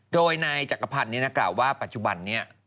โดยนายจักรพันธ์กล่าวว่าปัจจุบันนี้